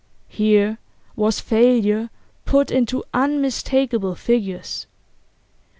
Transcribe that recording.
Here was failure put into unmistakable figures.